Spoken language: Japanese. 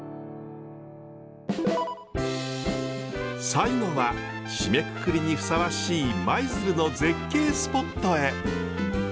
最後は締めくくりにふさわしい舞鶴の絶景スポットへ。